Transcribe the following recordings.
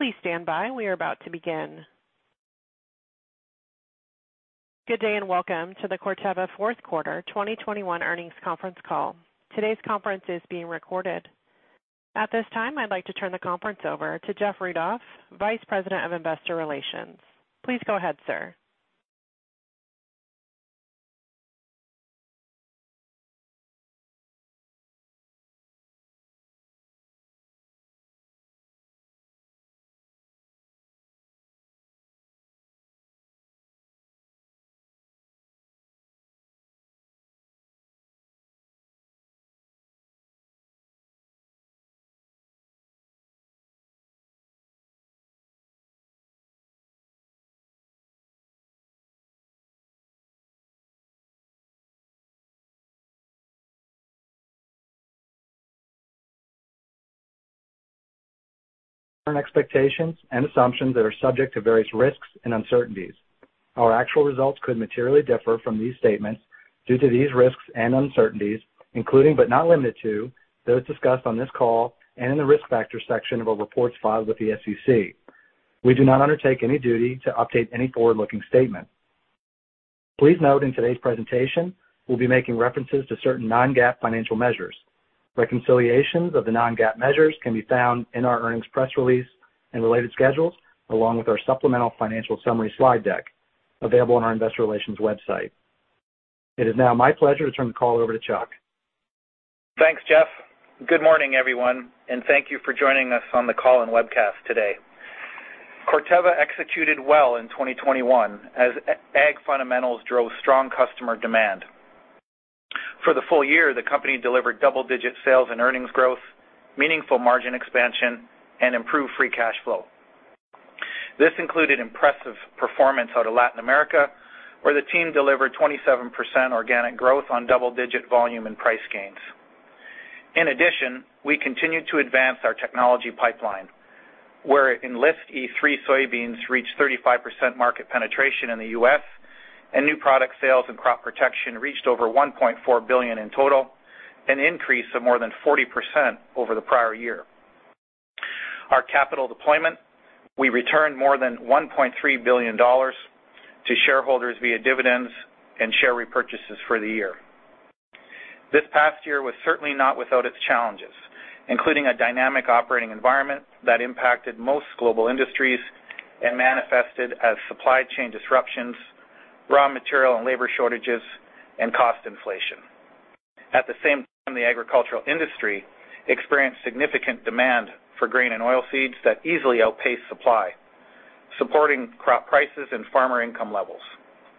Please stand by. We are about to begin. Good day, and welcome to the Corteva Fourth Quarter 2021 Earnings Conference Call. Today's conference is being recorded. At this time, I'd like to turn the conference over to Jeff Rudolph, Vice President of Investor Relations. Please go ahead, sir. Current expectations and assumptions that are subject to various risks and uncertainties. Our actual results could materially differ from these statements due to these risks and uncertainties, including, but not limited to, those discussed on this call and in the Risk Factors section of our reports filed with the SEC. We do not undertake any duty to update any forward-looking statement. Please note in today's presentation, we'll be making references to certain non-GAAP financial measures. Reconciliations of the non-GAAP measures can be found in our earnings press release and related schedules, along with our supplemental financial summary slide deck available on our investor relations website. It is now my pleasure to turn the call over to Chuck. Thanks, Jeff. Good morning, everyone, and thank you for joining us on the call and webcast today. Corteva executed well in 2021 as ag fundamentals drove strong customer demand. For the full-year, the company delivered double-digit sales and earnings growth, meaningful margin expansion, and improved free cash flow. This included impressive performance out of Latin America, where the team delivered 27% organic growth on double-digit volume and price gains. In addition, we continued to advance our technology pipeline, where Enlist E3 soybeans reached 35% market penetration in the U.S., and new product sales and Crop Protection reached over $1.4 billion in total, an increase of more than 40% over the prior-year. In our capital deployment, we returned more than $1.3 billion to shareholders via dividends and share repurchases for the year. This past year was certainly not without its challenges, including a dynamic operating environment that impacted most global industries and manifested as supply chain disruptions, raw material and labor shortages, and cost inflation. At the same time, the agricultural industry experienced significant demand for grain and oilseeds that easily outpaced supply, supporting crop prices and farmer income levels.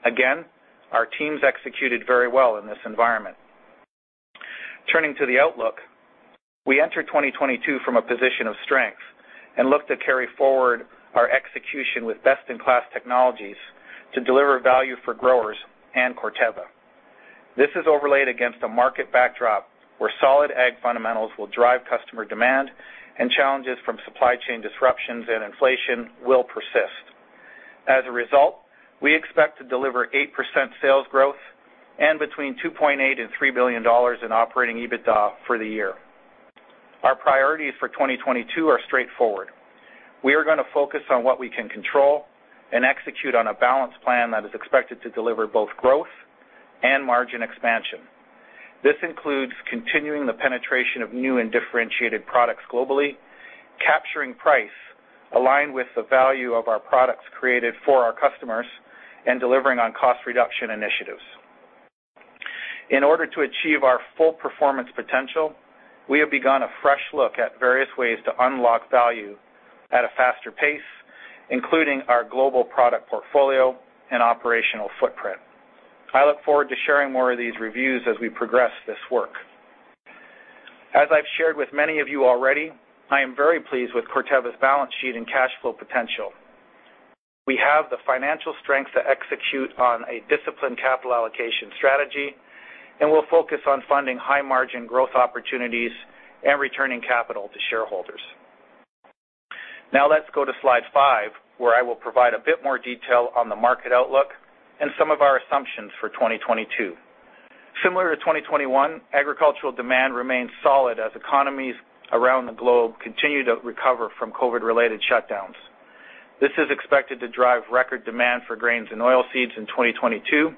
Again, our teams executed very well in this environment. Turning to the outlook, we enter 2022 from a position of strength and look to carry forward our execution with best-in-class technologies to deliver value for growers and Corteva. This is overlaid against a market backdrop where solid ag fundamentals will drive customer demand and challenges from supply chain disruptions and inflation will persist. As a result, we expect to deliver 8% sales growth and between $2.8 billion and $3 billion in operating EBITDA for the year. Our priorities for 2022 are straightforward. We are gonna focus on what we can control and execute on a balanced plan that is expected to deliver both growth and margin expansion. This includes continuing the penetration of new and differentiated products globally, capturing price aligned with the value of our products created for our customers, and delivering on cost reduction initiatives. In order to achieve our full performance potential, we have begun a fresh look at various ways to unlock value at a faster pace, including our global product portfolio and operational footprint. I look forward to sharing more of these reviews as we progress this work. As I've shared with many of you already, I am very pleased with Corteva's balance sheet and cash flow potential. We have the financial strength to execute on a disciplined capital allocation strategy, and we'll focus on funding high-margin growth opportunities and returning capital to shareholders. Now let's go to slide five, where I will provide a bit more detail on the market outlook and some of our assumptions for 2022. Similar to 2021, agricultural demand remains solid as economies around the globe continue to recover from COVID-related shutdowns. This is expected to drive record demand for grains and oilseeds in 2022,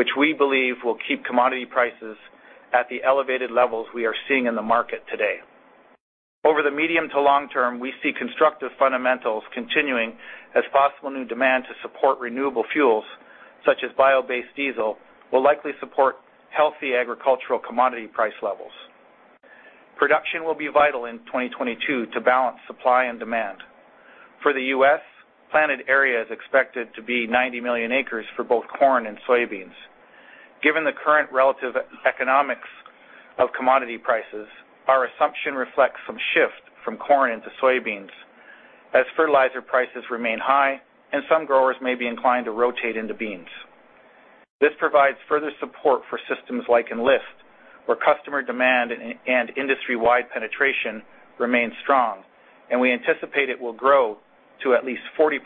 which we believe will keep commodity prices at the elevated levels we are seeing in the market today. Over the medium to long-term, we see constructive fundamentals continuing as possible new demand to support renewable fuels, such as bio-based diesel, will likely support healthy agricultural commodity price levels. Production will be vital in 2022 to balance supply and demand. For the U.S., planted area is expected to be 90 million acres for both corn and soybeans. Given the current relative economics of commodity prices, our assumption reflects some shift from corn into soybeans as fertilizer prices remain high and some growers may be inclined to rotate into beans. This provides further support for systems like Enlist, where customer demand and industry-wide penetration remains strong, and we anticipate it will grow to at least 40%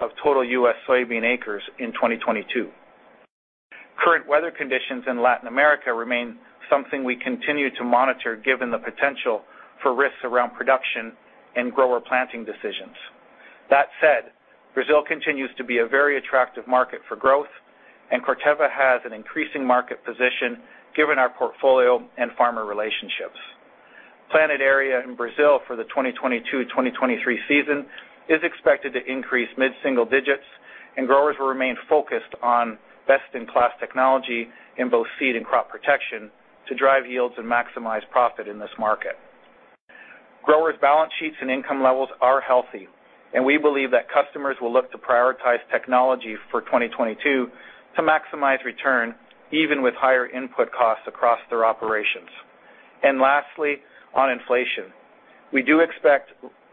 of total U.S. soybean acres in 2022. Current weather conditions in Latin America remain something we continue to monitor given the potential for risks around production and grower planting decisions. That said, Brazil continues to be a very attractive market for growth, and Corteva has an increasing market position given our portfolio and farmer relationships. Planted area in Brazil for the 2022/2023 season is expected to increase mid-single digits, and growers will remain focused on best-in-class technology in both seed and Crop Protection to drive yields and maximize profit in this market. Growers' balance sheets and income levels are healthy, and we believe that customers will look to prioritize technology for 2022 to maximize return, even with higher input costs across their operations. Lastly, on inflation, we do expect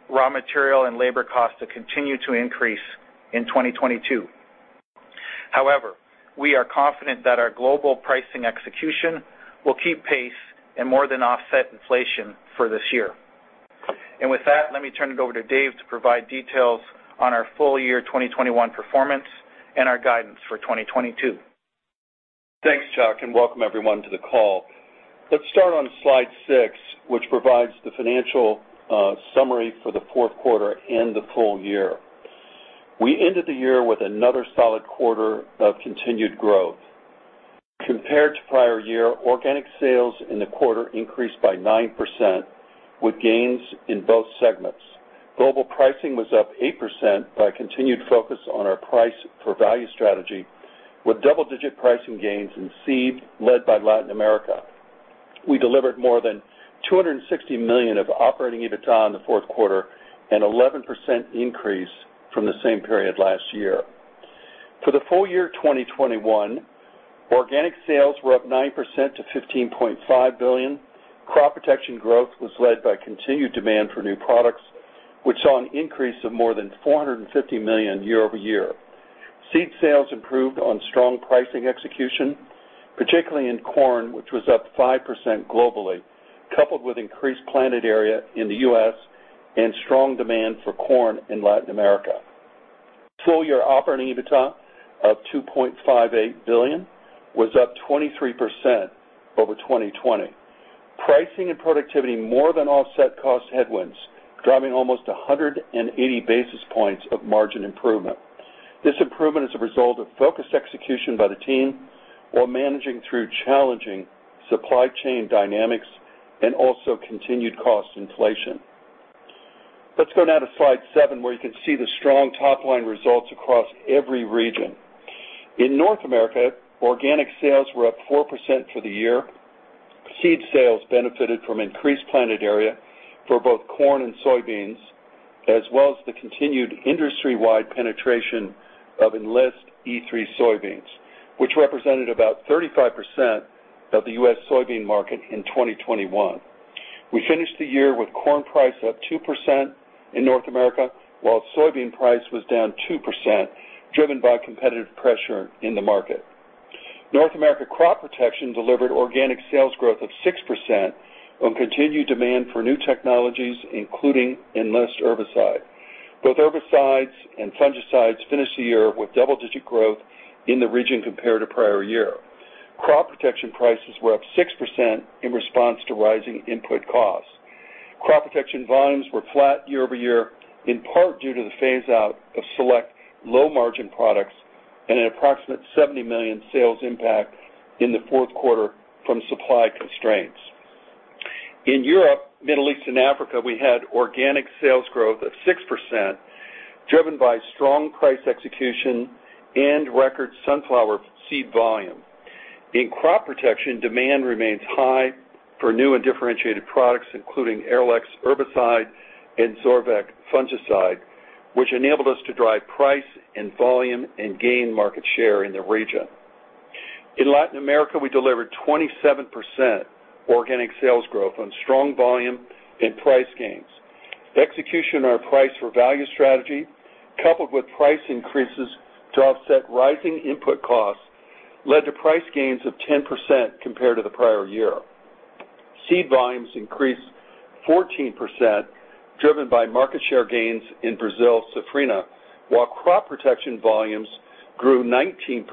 raw material and labor costs to continue to increase in 2022. However, we are confident that our global pricing execution will keep pace and more than offset inflation for this year. With that, let me turn it over to Dave to provide details on our full-year 2021 performance and our guidance for 2022. Thanks, Chuck, and welcome everyone to the call. Let's start on slide six, which provides the financial summary for the fourth quarter and the full-year. We ended the year with another solid quarter of continued growth. Compared to prior-year, organic sales in the quarter increased by 9% with gains in both segments. Global pricing was up 8% by continued focus on our price for value strategy with double-digit pricing gains in seed led by Latin America. We delivered more than $260 million of operating EBITDA in the fourth quarter and 11% increase from the same period last year. For the full year 2021, organic sales were up 9% to $15.5 billion. Crop protection growth was led by continued demand for new products, which saw an increase of more than $450 million year-over-year. Seed sales improved on strong pricing execution, particularly in corn, which was up 5% globally, coupled with increased planted area in the U.S. and strong demand for corn in Latin America. Full-year operating EBITDA of $2.58 billion was up 23% over 2020. Pricing and productivity more than offset cost headwinds, driving almost 180 basis points of margin improvement. This improvement is a result of focused execution by the team while managing through challenging supply chain dynamics and also continued cost inflation. Let's go now to slide seven, where you can see the strong top-line results across every region. In North America, organic sales were up 4% for the year. Seed sales benefited from increased planted area for both corn and soybeans, as well as the continued industry-wide penetration of Enlist E3 soybeans, which represented about 35% of the U.S. soybean market in 2021. We finished the year with corn price up 2% in North America, while soybean price was down 2%, driven by competitive pressure in the market. North America Crop Protection delivered organic sales growth of 6% on continued demand for new technologies, including Enlist herbicide. Both herbicides and fungicides finished the year with double-digit growth in the region compared to prior-year. Crop Protection prices were up 6% in response to rising input costs. Crop protection volumes were flat year-over-year, in part due to the phase-out of select low-margin products and an approximate $70 million sales impact in the fourth quarter from supply constraints. In Europe, Middle East, and Africa, we had organic sales growth of 6%, driven by strong price execution and record sunflower seed volume. In Crop protection, demand remains high for new and differentiated products, including Arylex herbicide and Zorvec fungicide, which enabled us to drive price and volume and gain market share in the region. In Latin America, we delivered 27% organic sales growth on strong volume and price gains. The execution on our price for value strategy, coupled with price increases to offset rising input costs, led to price gains of 10% compared to the prior-year. Seed volumes increased 14%, driven by market share gains in Brazil, Safrinha, while Crop Protection volumes grew 19%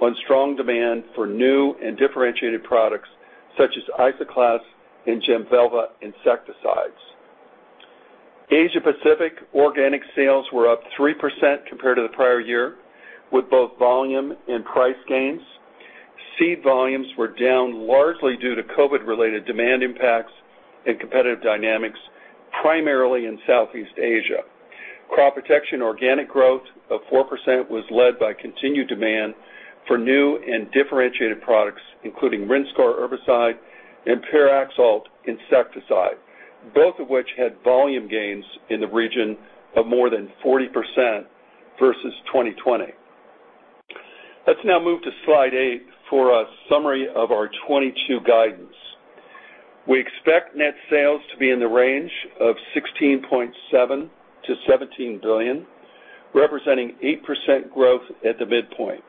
on strong demand for new and differentiated products such as Isoclast and Jemvelva insecticides. Asia Pacific organic sales were up 3% compared to the prior-year, with both volume and price gains. Seed volumes were down largely due to COVID-related demand impacts and competitive dynamics, primarily in Southeast Asia. Crop protection organic growth of 4% was led by continued demand for new and differentiated products, including Rinskor herbicide and Pyraxalt insecticide, both of which had volume gains in the region of more than 40% versus 2020. Let's now move to slide eight for a summary of our 2022 guidance. We expect net sales to be in the range of $16.7 billion-$17 billion, representing 8% growth at the midpoint,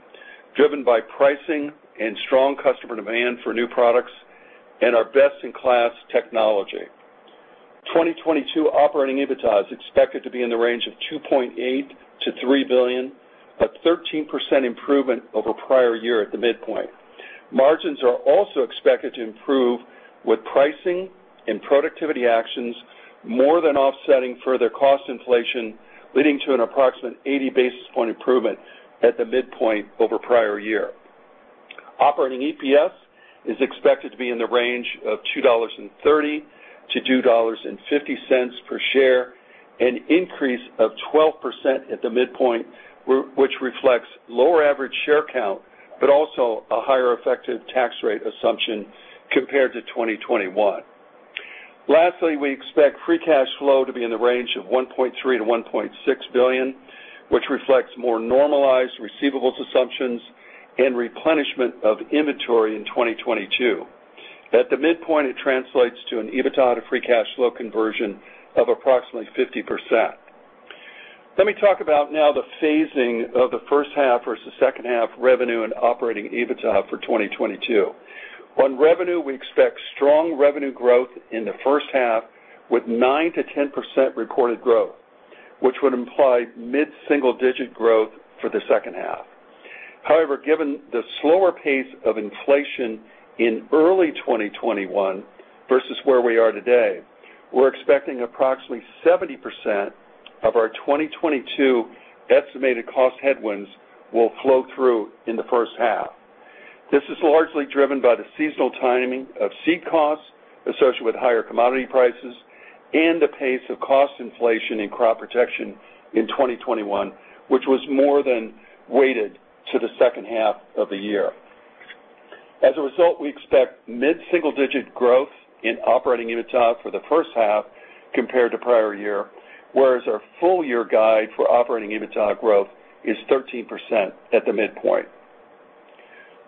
driven by pricing and strong customer demand for new products and our best-in-class technology. 2022 operating EBITDA is expected to be in the range of $2.8 billion-$3 billion, a 13% improvement over prior-year at the midpoint. Margins are also expected to improve with pricing and productivity actions more than offsetting further cost inflation, leading to an approximate 80 basis points improvement at the midpoint over prior-year. Operating EPS is expected to be in the range of $2.30-$2.50 per share, a 12% increase at the midpoint, which reflects lower average share count, but also a higher effective tax rate assumption compared to 2021. Lastly, we expect free cash flow to be in the range of $1.3 billion-$1.6 billion, which reflects more normalized receivables assumptions and replenishment of inventory in 2022. At the midpoint, it translates to an EBITDA to free cash flow conversion of approximately 50%. Let me talk about now the phasing of the first half versus second half revenue and operating EBITDA for 2022. On revenue, we expect strong revenue growth in the first half with 9%-10% recorded growth, which would imply mid-single digit growth for the second half. However, given the slower pace of inflation in early 2021 versus where we are today, we're expecting approximately 70% of our 2022 estimated cost headwinds will flow through in the first half. This is largely driven by the seasonal timing of seed costs associated with higher commodity prices and the pace of cost inflation in Crop Protection in 2021, which was heavily weighted to the second half of the year. As a result, we expect mid-single-digit growth in operating EBITDA for the first half compared to prior-year, whereas our full-year guide for operating EBITDA growth is 13% at the midpoint.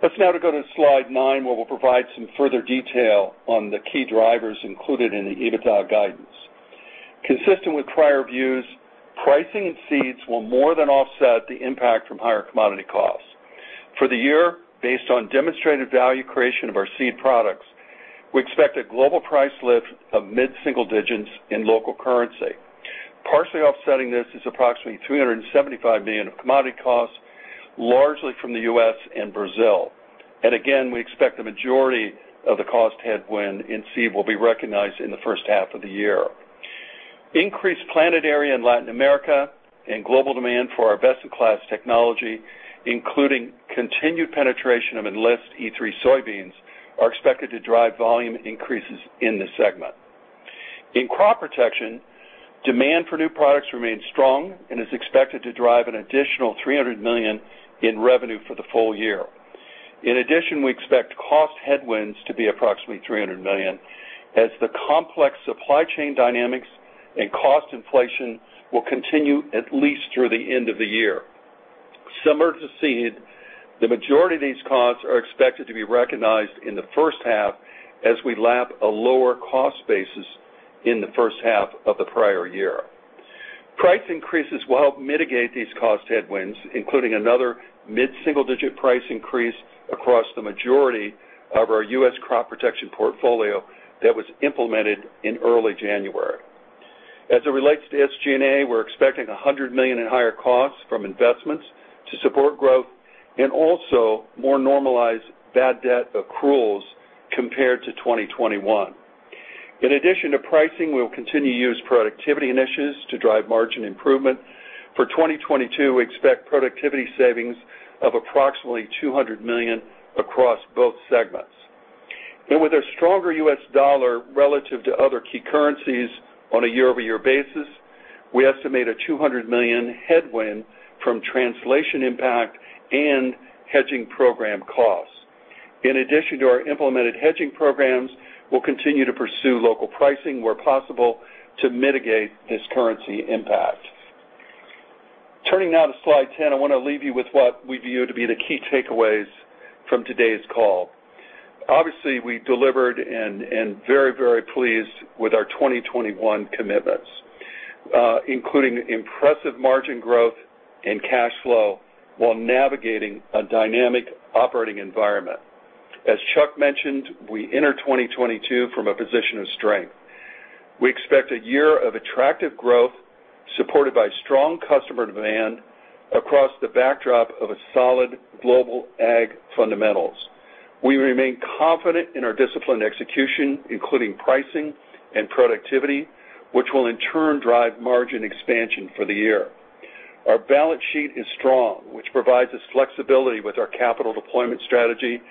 Let's now go to slide nine, where we'll provide some further detail on the key drivers included in the EBITDA guidance. Consistent with prior views, pricing in seeds will more than offset the impact from higher commodity costs. For the year, based on demonstrated value creation of our seed products, we expect a global price lift of mid-single digits in local currency. Partially offsetting this is approximately $375 million of commodity costs, largely from the U.S. and Brazil. Again, we expect the majority of the cost headwind in Seed will be recognized in the first half of the year. Increased planted area in Latin America and global demand for our best-in-class technology, including continued penetration of Enlist E3 soybeans, are expected to drive volume increases in this segment. In Crop Protection, demand for new products remains strong and is expected to drive an additional $300 million in revenue for the full-year. In addition, we expect cost headwinds to be approximately $300 million as the complex supply chain dynamics and cost inflation will continue at least through the end of the year. Similar to Seed, the majority of these costs are expected to be recognized in the first half as we lap a lower cost basis in the first half of the prior-year. Price increases will help mitigate these cost headwinds, including another mid-single digit price increase across the majority of our U.S. Crop Protection portfolio that was implemented in early January. As it relates to SG&A, we're expecting $100 million in higher costs from investments to support growth and also more normalized bad debt accruals compared to 2021. In addition to pricing, we will continue to use productivity initiatives to drive margin improvement. For 2022, we expect productivity savings of approximately $200 million across both segments. With a stronger U.S. dollar relative to other key currencies on a year-over-year basis, we estimate a $200 million headwind from translation impact and hedging program costs. In addition to our implemented hedging programs, we'll continue to pursue local pricing where possible to mitigate this currency impact. Turning now to slide 10, I wanna leave you with what we view to be the key takeaways from today's call. Obviously, we delivered and very, very pleased with our 2021 commitments, including impressive margin growth and cash flow while navigating a dynamic operating environment. As Chuck mentioned, we enter 2022 from a position of strength. We expect a year of attractive growth supported by strong customer demand across the backdrop of a solid global ag fundamentals. We remain confident in our disciplined execution, including pricing and productivity, which will in turn drive margin expansion for the year. Our balance sheet is strong, which provides us flexibility with our capital deployment strategy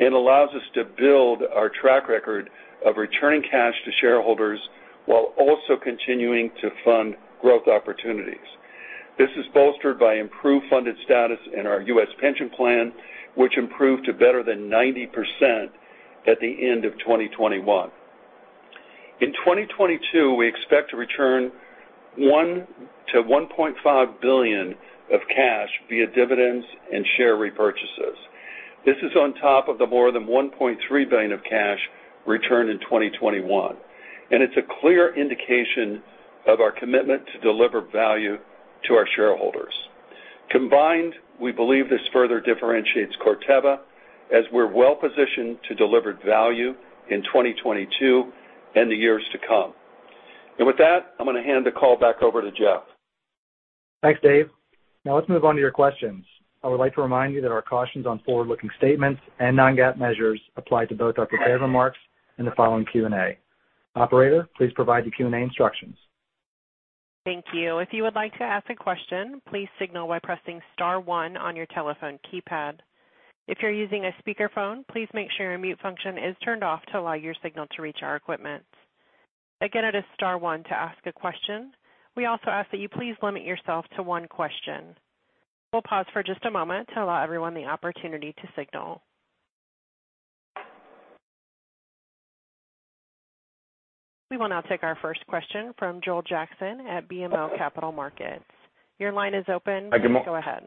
and allows us to build our track record of returning cash to shareholders while also continuing to fund growth opportunities. This is bolstered by improved funded status in our U.S. pension plan, which improved to better than 90% at the end of 2021. In 2022, we expect to return $1 billion-$1.5 billion of cash via dividends and share repurchases. This is on top of the more than $1.3 billion of cash returned in 2021, and it's a clear indication of our commitment to deliver value to our shareholders. Combined, we believe this further differentiates Corteva as we're well-positioned to deliver value in 2022 and the years to come. With that, I'm gonna hand the call back over to Jeff. Thanks, Dave. Now let's move on to your questions. I would like to remind you that our cautions on forward-looking statements and non-GAAP measures apply to both our prepared remarks and the following Q&A. Operator, please provide the Q&A instructions. Thank you. If you would like to ask a question, please signal by pressing star one on your telephone keypad. If you're using a speakerphone, please make sure your mute function is turned off to allow your signal to reach our equipment. Again, it is star one to ask a question. We also ask that you please limit yourself to one question. We'll pause for just a moment to allow everyone the opportunity to signal. We will now take our first question from Joel Jackson at BMO Capital Markets. Your line is open. Hi, good morning. Please go ahead.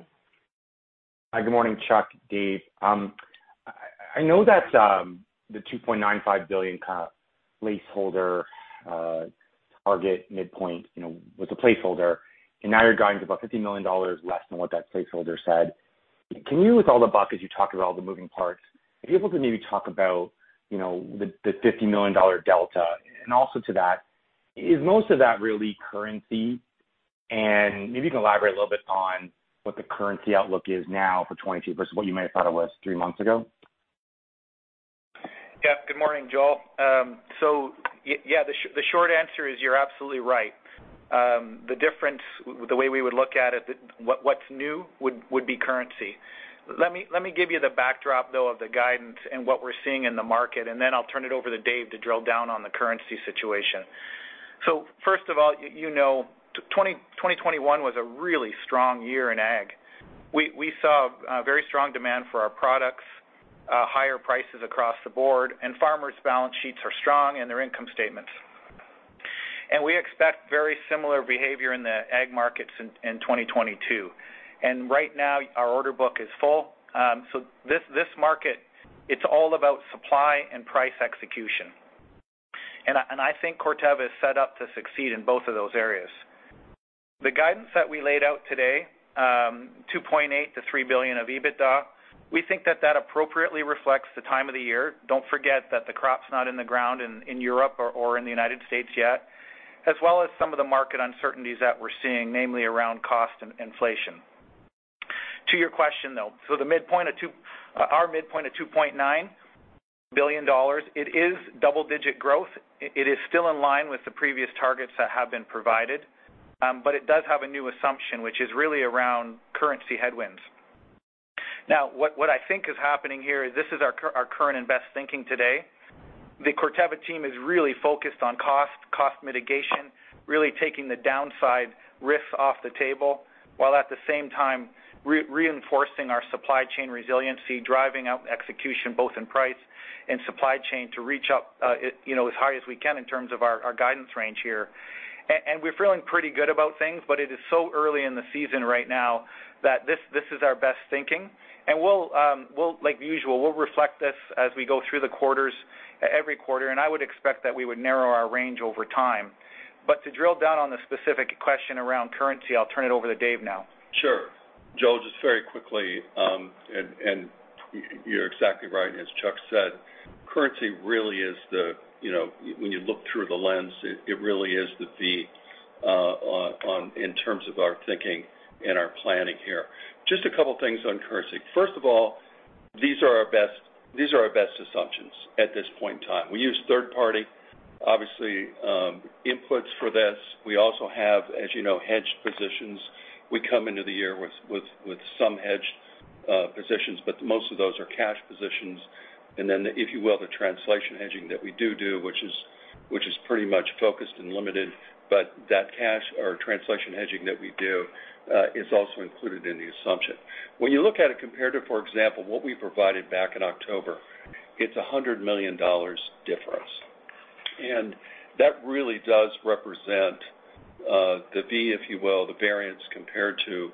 Hi. Good morning, Chuck, Dave. I know that the $2.95 billion kind of placeholder target midpoint, you know, was a placeholder, and now you're guiding to about $50 million less than what that placeholder said. Can you, with all the buckets you talked about all the moving parts, are you able to maybe talk about, you know, the $50 million delta? And also to that, is most of that really currency? And maybe you can elaborate a little bit on what the currency outlook is now for 2022 versus what you might have thought it was three months ago. Yeah. Good morning, Joel. The short answer is you're absolutely right. The difference with the way we would look at it, what's new would be currency. Let me give you the backdrop, though, of the guidance and what we're seeing in the market, and then I'll turn it over to Dave to drill down on the currency situation. First of all, you know, 2021 was a really strong year in ag. We saw very strong demand for our products, higher prices across the board, and farmers' balance sheets are strong and their income statements. We expect very similar behavior in the ag markets in 2022. Right now our order book is full. This market, it's all about supply and price execution. I think Corteva is set up to succeed in both of those areas. The guidance that we laid out today, $2.8 billion-$3 billion of EBITDA, we think that that appropriately reflects the time of the year. Don't forget that the crop's not in the ground in Europe or in the United States yet, as well as some of the market uncertainties that we're seeing, namely around cost and inflation. To your question, though, our midpoint of $2.9 billion, it is double-digit growth. It is still in line with the previous targets that have been provided. But it does have a new assumption, which is really around currency headwinds. What I think is happening here is this is our current and best thinking today. The Corteva team is really focused on cost mitigation, really taking the downside risk off the table, while at the same time reinforcing our supply chain resiliency, driving up execution both in price and supply chain to reach up, you know, as high as we can in terms of our guidance range here. We're feeling pretty good about things, but it is so early in the season right now that this is our best thinking. We'll, like usual, reflect this as we go through the quarters every quarter, and I would expect that we would narrow our range over time. To drill down on the specific question around currency, I'll turn it over to Dave now. Sure. Joel, just very quickly, you're exactly right, as Chuck said. Currency really is, you know, when you look through the lens, it really is in terms of our thinking and our planning here. Just a couple things on currency. First of all, these are our best assumptions at this point in time. We use third party, obviously, inputs for this. We also have, as you know, hedged positions. We come into the year with some hedged positions, but most of those are cash positions. If you will, the translation hedging that we do, which is pretty much focused and limited, but that cash or translation hedging that we do is also included in the assumption. When you look at it compared to, for example, what we provided back in October, it's $100 million difference. That really does represent, if you will, the variance compared to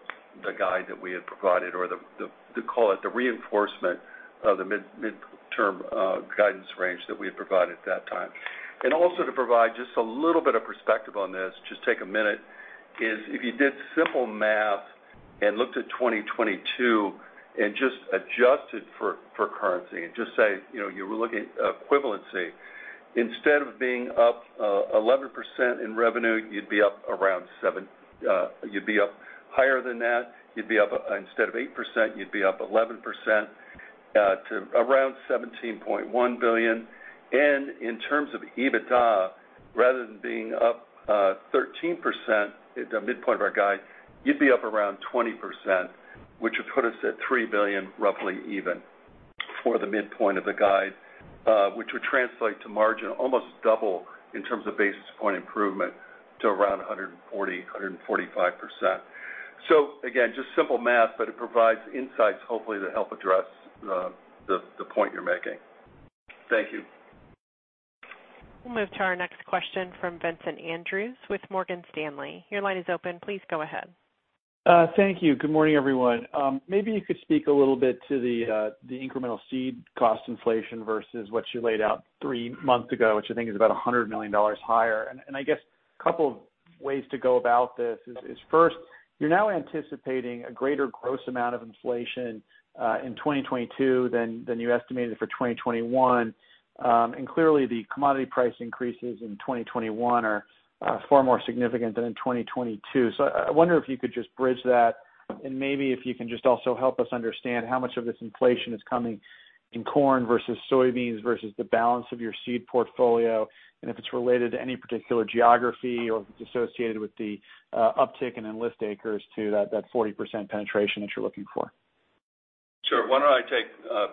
the guide that we had provided or the, call it the reinforcement of the mid-term guidance range that we had provided at that time. Also to provide just a little bit of perspective on this, just take a minute. If you did simple math and looked at 2022 and just adjusted for currency and just say, you know, you were looking at equivalency. Instead of being up 11% in revenue, you'd be up around 7%. You'd be up higher than that. You'd be up, instead of 8%, you'd be up 11% to around $17.1 billion. In terms of EBITDA, rather than being up 13% at the midpoint of our guide, you'd be up around 20%, which would put us at $3 billion roughly even for the midpoint of the guide, which would translate to margin almost double in terms of basis point improvement to around 140%-145%. Again, just simple math, but it provides insights hopefully to help address the point you're making. Thank you. We'll move to our next question from Vincent Andrews with Morgan Stanley. Your line is open. Please go ahead. Thank you. Good morning, everyone. Maybe you could speak a little bit to the incremental Seed cost inflation versus what you laid out three months ago, which I think is about $100 million higher. I guess a couple of ways to go about this is first, you're now anticipating a greater gross amount of inflation in 2022 than you estimated for 2021. Clearly the commodity price increases in 2021 are far more significant than in 2022. I wonder if you could just bridge that and maybe if you can just also help us understand how much of this inflation is coming in corn versus soybeans versus the balance of your seed portfolio, and if it's related to any particular geography or if it's associated with the uptick in Enlist acres to that 40% penetration that you're looking for. Sure.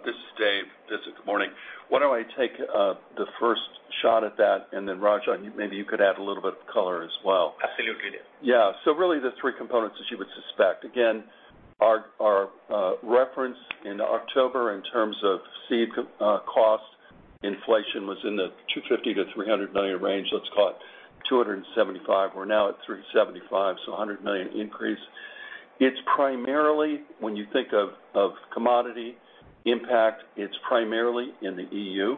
This is Dave. Vincent, good morning. Why don't I take the first shot at that, and then Rajan, maybe you could add a little bit of color as well. Absolutely. Really the three components as you would suspect. Again, our reference in October in terms of seed cost inflation was in the $250 million-$300 million range, let's call it $275 million. We're now at $375 million, so a $100 million increase. It's primarily when you think of commodity impact, it's primarily in the EU.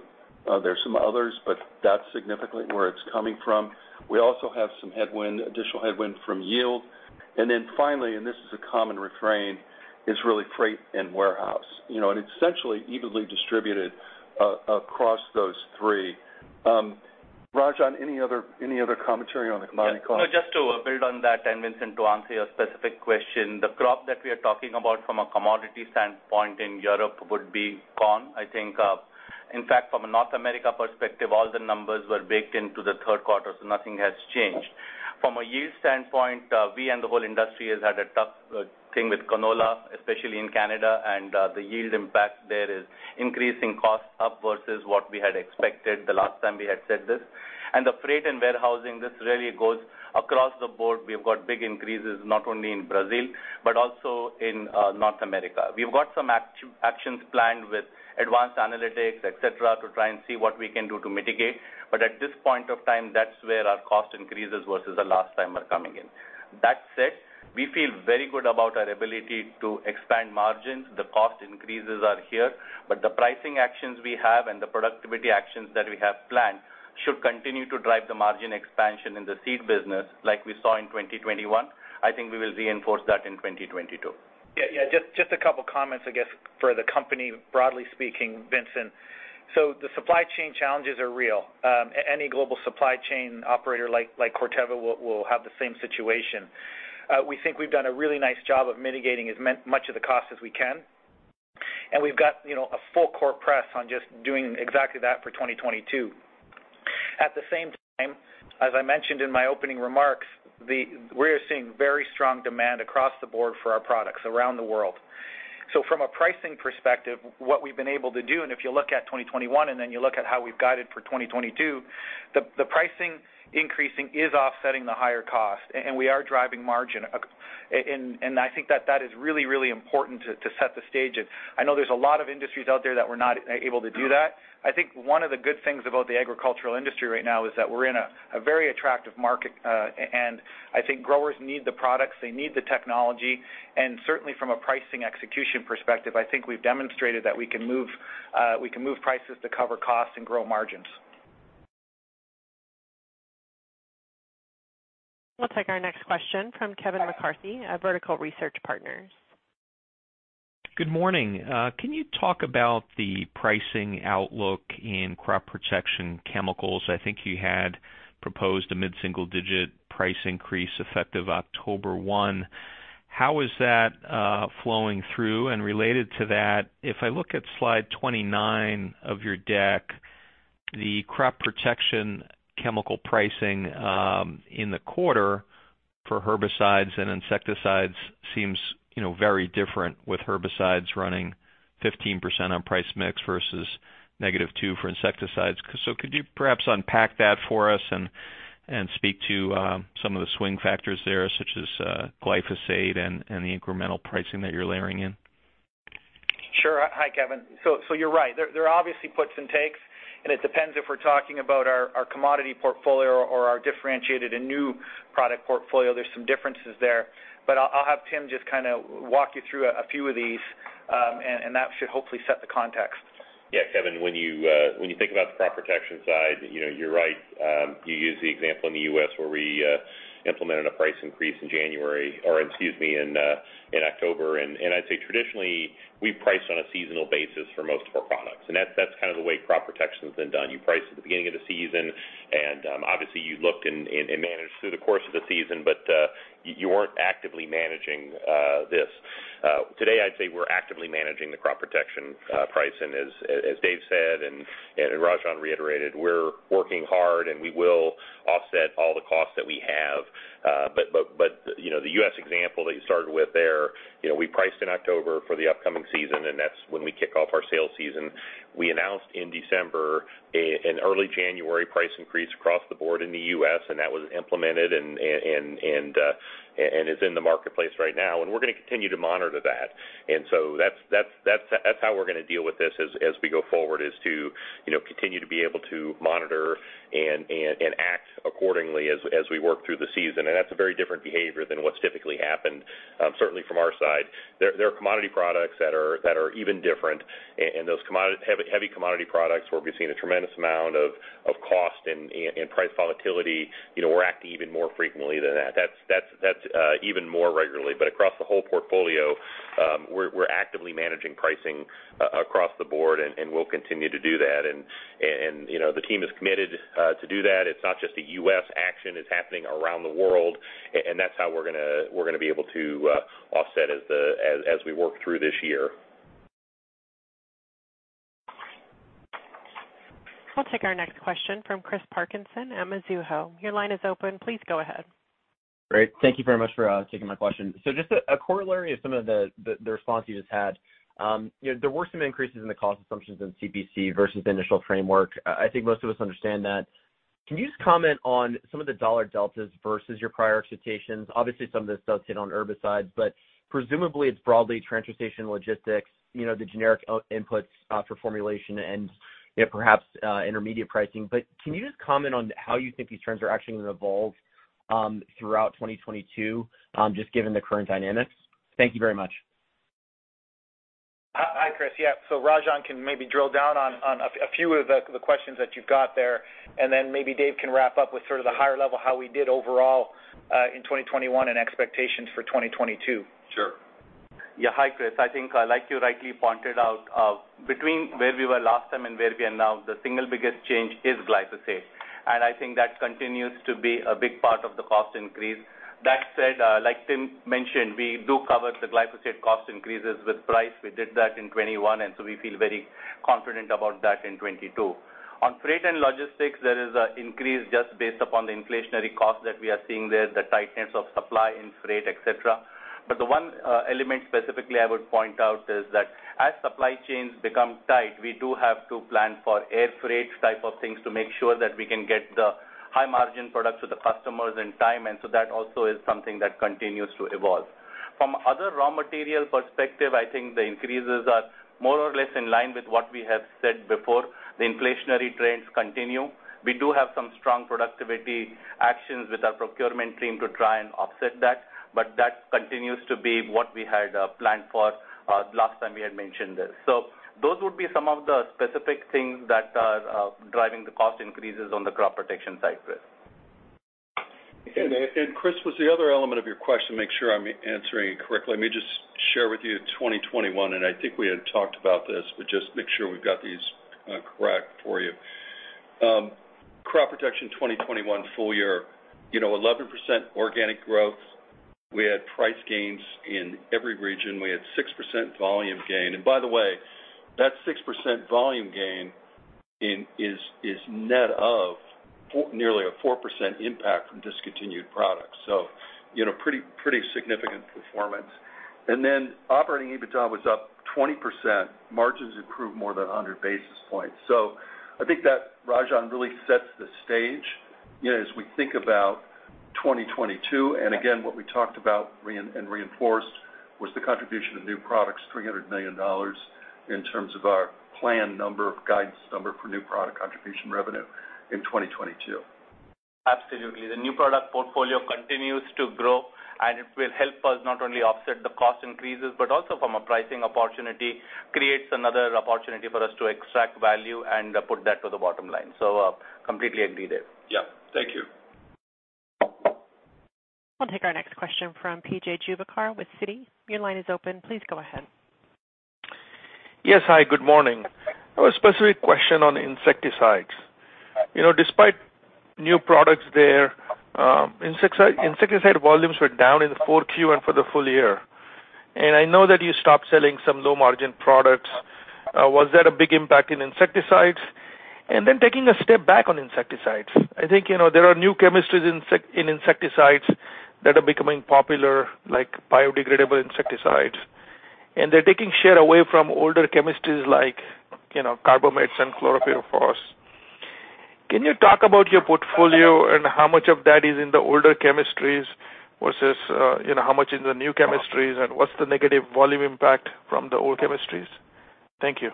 There's some others, but that's significantly where it's coming from. We also have some headwind, additional headwind from yield. Then finally, and this is a common refrain, is really freight and warehouse. You know, and it's essentially evenly distributed across those three. Rajan, any other commentary on the commodity cost? Yeah. No, just to build on that, and Vincent, to answer your specific question, the crop that we are talking about from a commodity standpoint in Europe would be corn. I think, in fact, from a North America perspective, all the numbers were baked into the third quarter, so nothing has changed. From a yield standpoint, we and the whole industry has had a tough thing with canola, especially in Canada, and the yield impact there is increasing costs up versus what we had expected the last time we had said this. The freight and warehousing, this really goes across the board. We've got big increases not only in Brazil, but also in North America. We've got some actions planned with advanced analytics, et cetera, to try and see what we can do to mitigate. At this point of time, that's where our cost increases versus the last time are coming in. That said, we feel very good about our ability to expand margins. The cost increases are here, but the pricing actions we have and the productivity actions that we have planned should continue to drive the margin expansion in the Seed business like we saw in 2021. I think we will reinforce that in 2022. Just a couple comments, I guess, for the company, broadly speaking, Vincent. The supply chain challenges are real. Any global supply chain operator like Corteva will have the same situation. We think we've done a really nice job of mitigating as much of the cost as we can, and we've got, you know, a full court press on just doing exactly that for 2022. At the same time, as I mentioned in my opening remarks, we are seeing very strong demand across the board for our products around the world. From a pricing perspective, what we've been able to do, and if you look at 2021, and then you look at how we've guided for 2022, the pricing increasing is offsetting the higher cost, and we are driving margin. I think that is really important to set the stage. I know there's a lot of industries out there that were not able to do that. I think one of the good things about the agricultural industry right now is that we're in a very attractive market, and I think growers need the products, they need the technology. Certainly from a pricing execution perspective, I think we've demonstrated that we can move prices to cover costs and grow margins. We'll take our next question from Kevin McCarthy at Vertical Research Partners. Good morning. Can you talk about the pricing outlook in Crop Protection chemicals? I think you had proposed a mid-single digit price increase effective October 1. How is that flowing through? Related to that, if I look at slide 29 of your deck, the Crop Protection chemical pricing in the quarter for herbicides and insecticides seems, you know, very different with herbicides running 15% on price mix versus -2% for insecticides. Could you perhaps unpack that for us and speak to some of the swing factors there, such as glyphosate and the incremental pricing that you're layering in? Sure. Hi, Kevin. You're right. There are obviously puts and takes, and it depends if we're talking about our commodity portfolio or our differentiated and new product portfolio. There's some differences there. I'll have Tim just kind of walk you through a few of these, and that should hopefully set the context. Yeah, Kevin, when you think about the Crop Protection side, you know, you're right. You used the example in the U.S. where we implemented a price increase in January, or excuse me, in October. I'd say traditionally, we price on a seasonal basis for most of our products, and that's kind of the way Crop Protection's been done. You price at the beginning of the season, and obviously you look and manage through the course of the season, but you weren't actively managing this. Today, I'd say we're actively managing the Crop Protection price. As Dave said, and Rajan reiterated, we're working hard, and we will offset all the costs that we have. You know, the U.S. example that you started with there, you know, we priced in October for the upcoming season, and that's when we kick off our sales season. We announced in December an early January price increase across the board in the U.S., and that was implemented and is in the marketplace right now, and we're gonna continue to monitor that. That's how we're gonna deal with this as we go forward, is to, you know, continue to be able to monitor and act accordingly as we work through the season. That's a very different behavior than what's typically happened, certainly from our side. There are commodity products that are even different. Those heavy commodity products where we've seen a tremendous amount of cost and price volatility, you know, we're acting even more frequently than that. That's even more regularly. Across the whole portfolio, we're actively managing pricing across the board and we'll continue to do that. You know, the team is committed to do that. It's not just a U.S. action. It's happening around the world. That's how we're gonna be able to offset as we work through this year. I'll take our next question from Chris Parkinson at Mizuho. Your line is open. Please go ahead. Great. Thank you very much for taking my question. Just a corollary of some of the response you just had. You know, there were some increases in the cost assumptions in CPC versus the initial framework. I think most of us understand that. Can you just comment on some of the dollar deltas versus your prior expectations? Obviously, some of this does hit on herbicides, but presumably it's broadly transportation, logistics, you know, the generic inputs for formulation and, yeah, perhaps intermediate pricing. Can you just comment on how you think these trends are actually gonna evolve throughout 2022, just given the current dynamics? Thank you very much. Hi, Chris. Yeah. Rajan can maybe drill down on a few of the questions that you've got there, and then maybe Dave can wrap up with sort of the higher level, how we did overall, in 2021 and expectations for 2022. Sure. Yeah. Hi, Chris. I think, like you rightly pointed out, between where we were last time and where we are now, the single biggest change is glyphosate. I think that continues to be a big part of the cost increase. That said, like Tim mentioned, we do cover the glyphosate cost increases with price. We did that in 2021, and so we feel very confident about that in 2022. On freight and logistics, there is an increase just based upon the inflationary cost that we are seeing there, the tightness of supply in freight, et cetera. The one element specifically I would point out is that as supply chains become tight, we do have to plan for air freight type of things to make sure that we can get the high-margin products to the customers in time. That also is something that continues to evolve. From other raw material perspective, I think the increases are more or less in line with what we have said before. The inflationary trends continue. We do have some strong productivity actions with our procurement team to try and offset that, but that continues to be what we had planned for last time we had mentioned this. Those would be some of the specific things that are driving the cost increases on the Crop Protection side, Chris. Chris, was the other element of your question, make sure I'm answering it correctly. Let me just share with you 2021, and I think we had talked about this, but just make sure we've got these correct for you. Crop Protection 2021 full-year, you know, 11% organic growth. We had price gains in every region. We had 6% volume gain. By the way, that 6% volume gain is net of nearly a 4% impact from discontinued products. You know, pretty significant performance. Operating EBITDA was up 20%. Margins improved more than 100 basis points. I think that Rajan really sets the stage, you know, as we think about 2022. Again, what we talked about and reinforced was the contribution of new products, $300 million in terms of our planned number, guidance number for new product contribution revenue in 2022. Absolutely. The new product portfolio continues to grow, and it will help us not only offset the cost increases, but also from a pricing opportunity, creates another opportunity for us to extract value and put that to the bottom line. Completely agree there. Yeah. Thank you. I'll take our next question from P.J. Juvekar with Citi. Your line is open. Please go ahead. Yes. Hi, good morning. I have a specific question on insecticides. You know, despite new products there, insecticide volumes were down in the 4Q and for the full-year. I know that you stopped selling some low-margin products. Was that a big impact in insecticides? Taking a step back on insecticides, I think, you know, there are new chemistries in insecticides that are becoming popular, like biodegradable insecticides, and they're taking share away from older chemistries like, you know, carbamates and chlorpyrifos. Can you talk about your portfolio and how much of that is in the older chemistries versus, you know, how much in the new chemistries and what's the negative volume impact from the old chemistries? Thank you.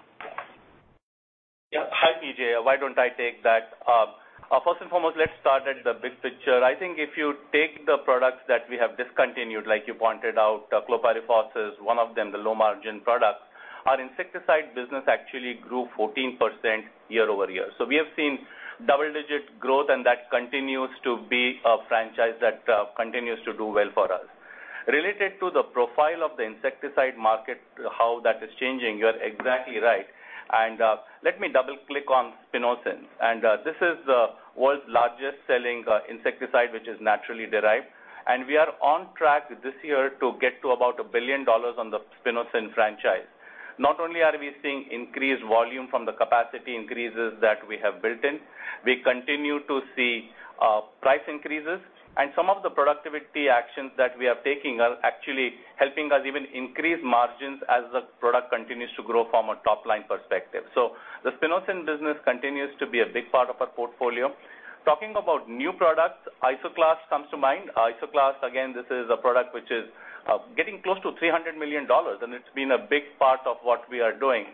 Yeah. Hi, P.J. Why don't I take that? First and foremost, let's start at the big picture. I think if you take the products that we have discontinued, like you pointed out, chlorpyrifos is one of them, the low-margin products. Our insecticide business actually grew 14% year-over-year. We have seen double-digit growth, and that continues to be a franchise that continues to do well for us. Related to the profile of the insecticide market, how that is changing, you're exactly right. Let me double-click on spinosyn. This is the world's largest-selling insecticide, which is naturally derived. We are on track this year to get to about $1 billion on the spinosyn franchise. Not only are we seeing increased volume from the capacity increases that we have built in, we continue to see price increases and some of the productivity actions that we are taking are actually helping us even increase margins as the product continues to grow from a top-line perspective. The spinosyn business continues to be a big part of our portfolio. Talking about new products, Isoclast comes to mind. Isoclast, again, this is a product which is getting close to $300 million, and it's been a big part of what we are doing.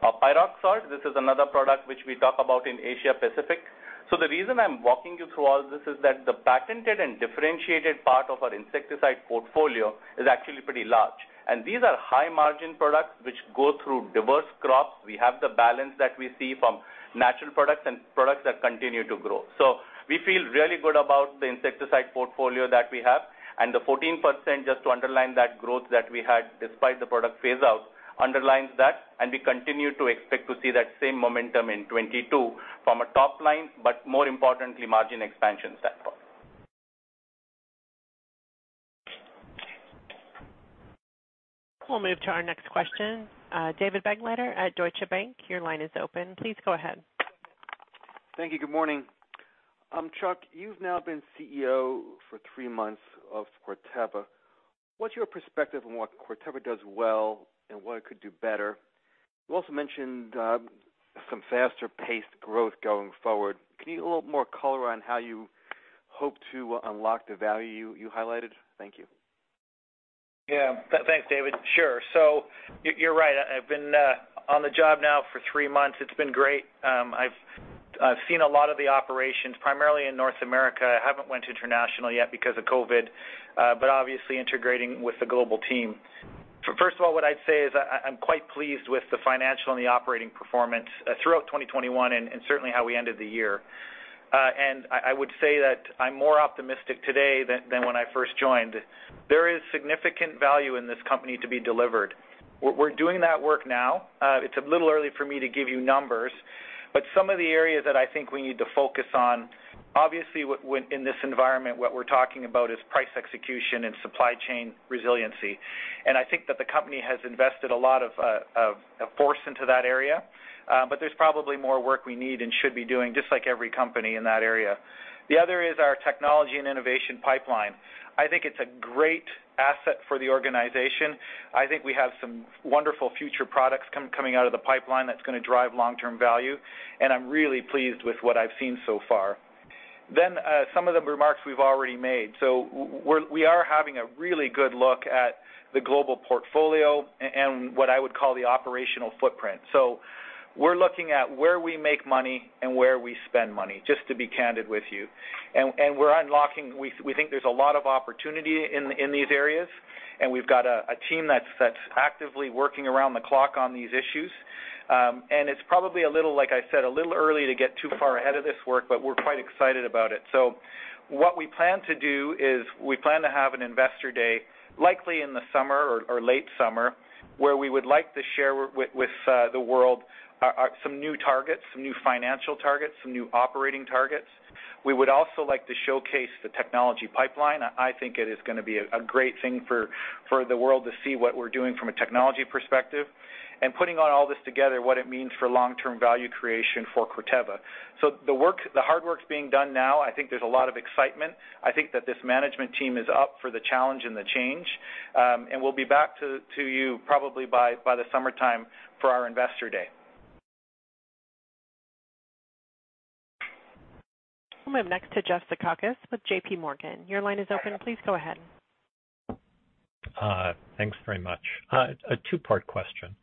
Pyraxalt, this is another product which we talk about in Asia Pacific. The reason I'm walking you through all this is that the patented and differentiated part of our insecticide portfolio is actually pretty large. These are high-margin products which go through diverse crops. We have the balance that we see from natural products and products that continue to grow. We feel really good about the insecticide portfolio that we have, and the 14%, just to underline that growth that we had despite the product phase-out, underlines that, and we continue to expect to see that same momentum in 2022 from a top-line, but more importantly, margin expansion set. We'll move to our next question. David Begleiter at Deutsche Bank, your line is open. Please go ahead. Thank you. Good morning. Chuck, you've now been CEO for three months of Corteva. What's your perspective on what Corteva does well and what it could do better? You also mentioned some faster-paced growth going forward. Can you give a little more color on how you hope to unlock the value you highlighted? Thank you. Yeah. Thanks, David. Sure. You're right. I've been on the job now for three months. It's been great. I've seen a lot of the operations, primarily in North America. I haven't went international yet because of COVID, but obviously integrating with the global team. First of all, what I'd say is I'm quite pleased with the financial and the operating performance throughout 2021 and certainly how we ended the year. I would say that I'm more optimistic today than when I first joined. There is significant value in this company to be delivered. We're doing that work now. It's a little early for me to give you numbers, but some of the areas that I think we need to focus on, obviously, in this environment, what we're talking about is price execution and supply chain resiliency. I think that the company has invested a lot of effort into that area, but there's probably more work we need and should be doing, just like every company in that area. The other is our technology and innovation pipeline. I think it's a great asset for the organization. I think we have some wonderful future products coming out of the pipeline that's gonna drive long-term value, and I'm really pleased with what I've seen so far. Some of the remarks we've already made. We're having a really good look at the global portfolio and what I would call the operational footprint. We're looking at where we make money and where we spend money, just to be candid with you. We think there's a lot of opportunity in these areas, and we've got a team that's actively working around the clock on these issues. It's probably a little, like I said, a little early to get too far ahead of this work, but we're quite excited about it. What we plan to do is we plan to have an Investor Day, likely in the summer or late summer, where we would like to share with the world some new targets, some new financial targets, some new operating targets. We would also like to showcase the technology pipeline. I think it is gonna be a great thing for the world to see what we're doing from a technology perspective. Putting all this together what it means for long-term value creation for Corteva. The work, the hard work's being done now. I think there's a lot of excitement. I think that this management team is up for the challenge and the change. We'll be back to you probably by the summertime for our Investor Day. We'll move next to Jeffrey Zekauskas with J.P. Morgan. Your line is open. Please go ahead. Thanks very much. A two-part question.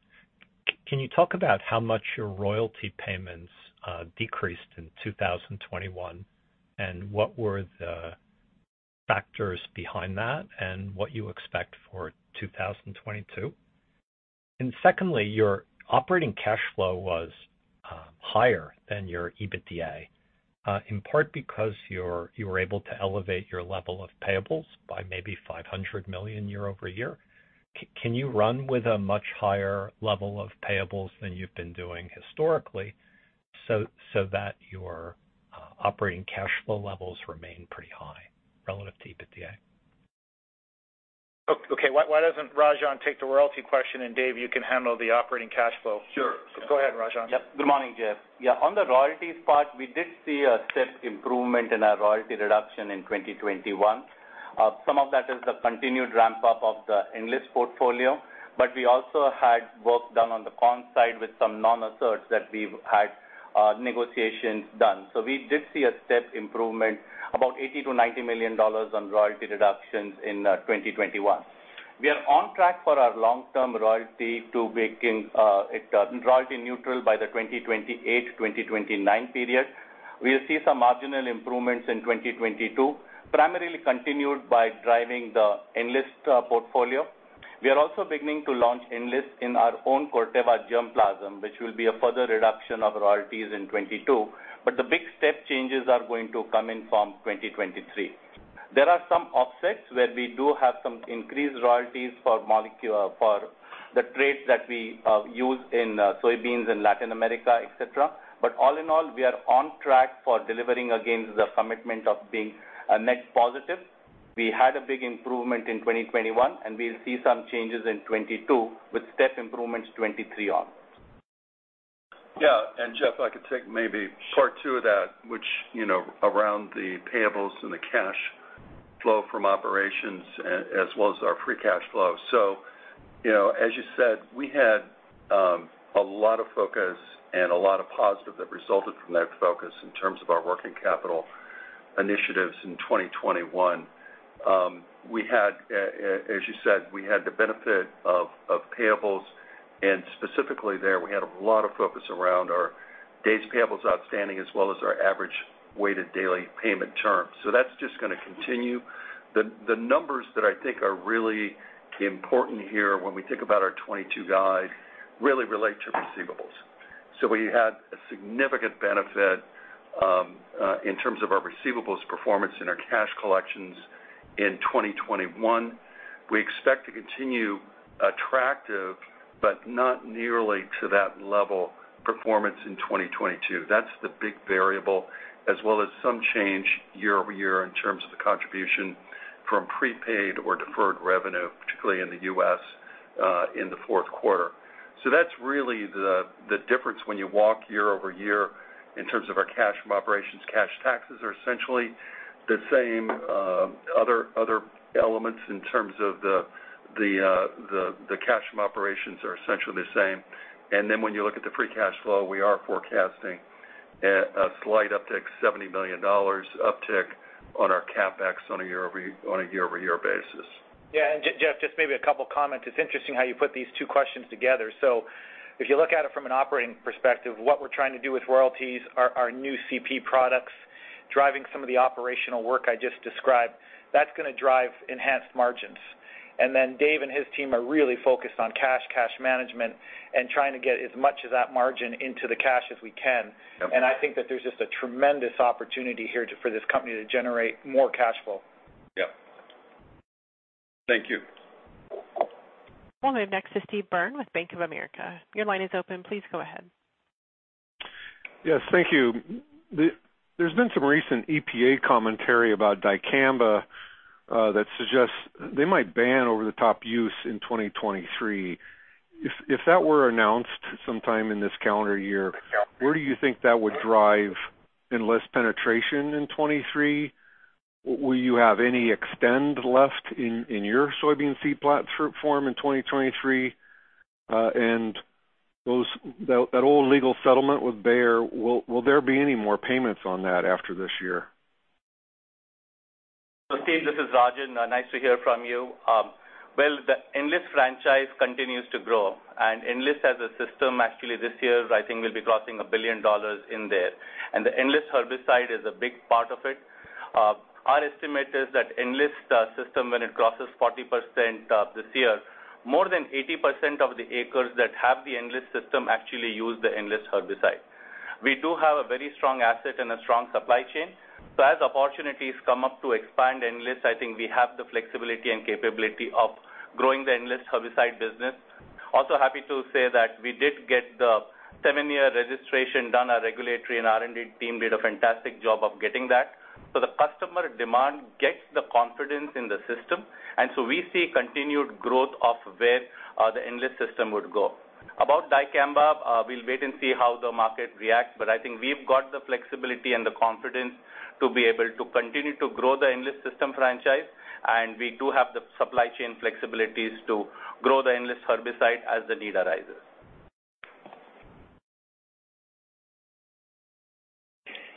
Can you talk about how much your royalty payments decreased in 2021, and what were the factors behind that and what you expect for 2022? Secondly, your operating cash flow was higher than your EBITDA in part because you were able to elevate your level of payables by maybe $500 million year-over-year. Can you run with a much higher level of payables than you've been doing historically so that your operating cash flow levels remain pretty high relative to EBITDA? Okay. Why doesn't Rajan take the royalty question, and Dave, you can handle the operating cash flow? Sure. Go ahead, Rajan. Yep. Good morning, Jeff. Yeah, on the royalties part, we did see a step improvement in our royalty reduction in 2021. Some of that is the continued ramp-up of the Enlist portfolio, but we also had work done on the corn side with some non-asserts that we've had, negotiations done. We did see a step improvement, about $80 million-$90 million on royalty reductions in 2021. We are on track for our long-term royalty to making it royalty neutral by the 2028, 2029 period. We'll see some marginal improvements in 2022, primarily continued by driving the Enlist portfolio. We are also beginning to launch Enlist in our own Corteva germplasm, which will be a further reduction of royalties in 2022, but the big step changes are going to come in from 2023. There are some offsets where we do have some increased royalties for the traits that we use in soybeans in Latin America, et cetera. All in all, we are on track for delivering against the commitment of being a net positive. We had a big improvement in 2021, and we'll see some changes in 2022 with step improvements 2023 on. Yeah. Jeff, I could take maybe part two of that, which, you know, around the payables and the cash flow from operations as well as our free cash flow. You know, as you said, we had a lot of focus and a lot of positive that resulted from that focus in terms of our working capital initiatives in 2021. As you said, we had the benefit of payables, and specifically there, we had a lot of focus around our days' payables outstanding as well as our average weighted daily payment term. That's just gonna continue. The numbers that I think are really important here when we think about our 2022 guide really relate to receivables. We had a significant benefit in terms of our receivables performance in our cash collections in 2021. We expect to continue attractive but not nearly to that level performance in 2022. That's the big variable, as well as some change year-over-year in terms of the contribution from prepaid or deferred revenue, particularly in the U.S., in the fourth quarter. That's really the difference when you walk year-over-year in terms of our cash from operations. Cash taxes are essentially the same, other elements in terms of the cash from operations are essentially the same. When you look at the free cash flow, we are forecasting a slight uptick, $70 million uptick on our CapEx on a year-over-year basis. Yeah. Jeff, just maybe a couple of comments. It's interesting how you put these two questions together. If you look at it from an operating perspective, what we're trying to do with royalties are our new CP products, driving some of the operational work I just described. That's gonna drive enhanced margins. Then Dave and his team are really focused on cash management and trying to get as much of that margin into the cash as we can. Yep. I think that there's just a tremendous opportunity here for this company to generate more cash flow. Yep. Thank you. We'll move next to Steve Byrne with Bank of America. Your line is open. Please go ahead. Yes, thank you. There's been some recent EPA commentary about Dicamba that suggests they might ban over-the-top use in 2023. If that were announced sometime in this calendar year, where do you think that would drive Enlist penetration in 2023? Will you have any Xtend left in your soybean seed plot form in 2023? And that old legal settlement with Bayer, will there be any more payments on that after this year? Steve, this is Rajan. Nice to hear from you. The Enlist franchise continues to grow, and Enlist as a system, actually this year, I think we'll be crossing $1 billion in there. The Enlist herbicide is a big part of it. Our estimate is that Enlist system, when it crosses 40%, this year, more than 80% of the acres that have the Enlist system actually use the Enlist herbicide. We do have a very strong asset and a strong supply chain. As opportunities come up to expand Enlist, I think we have the flexibility and capability of growing the Enlist herbicide business. Also happy to say that we did get the seven-year registration done. Our regulatory and R&D team did a fantastic job of getting that. The customer demand gets the confidence in the system, and so we see continued growth of where, the Enlist system would go. About Dicamba, we'll wait and see how the market reacts, but I think we've got the flexibility and the confidence to be able to continue to grow the Enlist system franchise, and we do have the supply chain flexibilities to grow the Enlist herbicide as the need arises.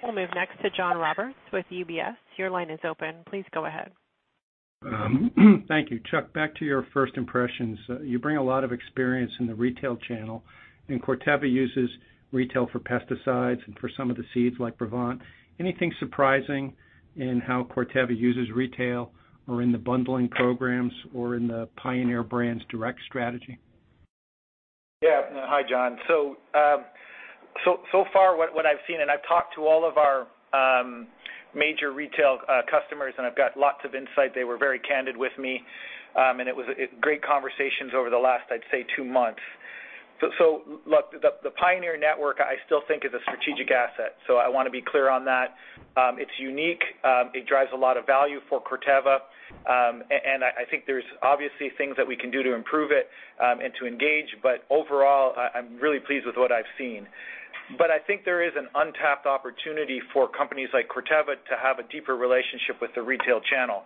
We'll move next to John Roberts with UBS. Your line is open. Please go ahead. Thank you. Chuck, back to your first impressions. You bring a lot of experience in the retail channel, and Corteva uses retail for pesticides and for some of the seeds like Brevant. Anything surprising in how Corteva uses retail or in the bundling programs or in the Pioneer brand's direct strategy? Yeah. Hi, John. So far what I've seen, and I've talked to all of our major retail customers, and I've got lots of insight. They were very candid with me, and it was great conversations over the last, I'd say, two months. Look, the Pioneer network I still think is a strategic asset. I wanna be clear on that. It's unique. It drives a lot of value for Corteva. And I think there's obviously things that we can do to improve it, and to engage. Overall, I'm really pleased with what I've seen. I think there is an untapped opportunity for companies like Corteva to have a deeper relationship with the retail channel.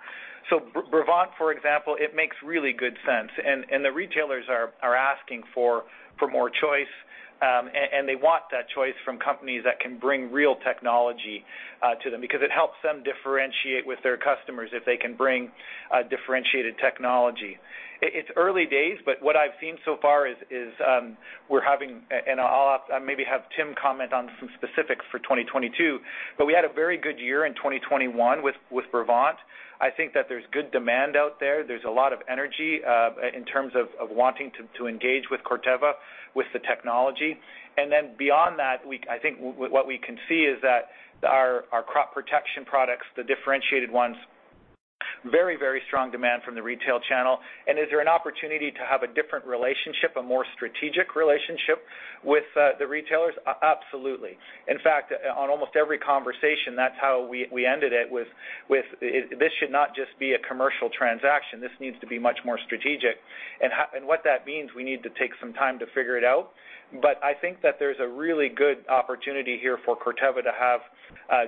Brevant, for example, it makes really good sense. The retailers are asking for more choice, and they want that choice from companies that can bring real technology to them because it helps them differentiate with their customers if they can bring a differentiated technology. It's early days, but what I've seen so far is, and I'll maybe have Tim comment on some specifics for 2022, but we had a very good year in 2021 with Brevant. I think that there's good demand out there. There's a lot of energy in terms of wanting to engage with Corteva with the technology. Then beyond that, I think what we can see is that our Crop Protection products, the differentiated ones, very strong demand from the retail channel. Is there an opportunity to have a different relationship, a more strategic relationship with the retailers? Absolutely. In fact, on almost every conversation, that's how we ended it with this should not just be a commercial transaction. This needs to be much more strategic. What that means, we need to take some time to figure it out. I think that there's a really good opportunity here for Corteva to have